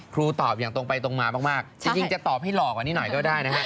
ครูตอบอย่างตรงไปตรงมามากจริงจะตอบให้หล่อกว่านี้หน่อยก็ได้นะฮะ